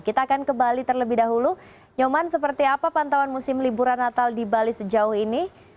kita akan ke bali terlebih dahulu nyoman seperti apa pantauan musim liburan natal di bali sejauh ini